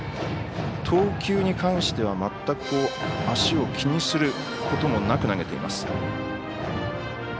投球に関しては全く足を気にすることもなく投げています。